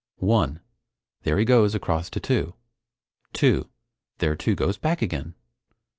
"One there he goes across to Two. Two. There Two goes back again.